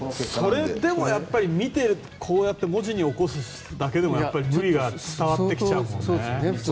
それでも見てこうやって文字に起こすだけでも無理があるって伝わってきちゃうもんね。